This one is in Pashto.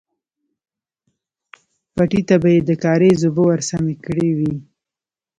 پټي ته به يې د کاريز اوبه ورسمې کړې وې.